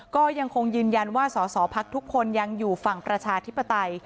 ก็ยังคงยืนยันว่าสอสอพักทุกคนยังอยู่ฝั่งประชาธิปไตย